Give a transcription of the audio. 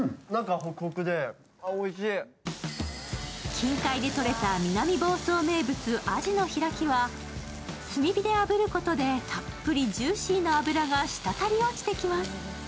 近海で採れた南房総名物・あじの開は、炭火であぶることでたっぷりジューシーな脂がしたたり落ちてきます。